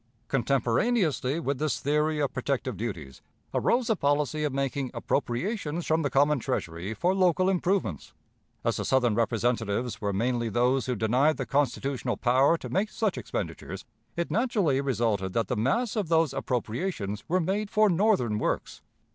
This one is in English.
Contemporaneously with this theory of protective duties, arose the policy of making appropriations from the common Treasury for local improvements. As the Southern representatives were mainly those who denied the constitutional power to make such expenditures, it naturally resulted that the mass of those appropriations were made for Northern works.